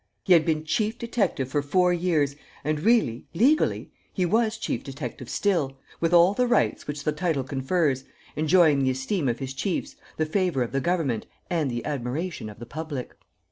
He had been chief detective for four years and, really, legally, he was chief detective still, with all the rights which the title confers, enjoying the esteem of his chiefs, the favor of the government and the admiration of the public.